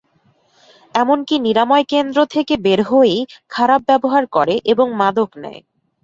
এমনকি নিরাময়কেন্দ্র থেকে বের হয়েই খারাপ ব্যবহার করে এবং মাদক নেয়।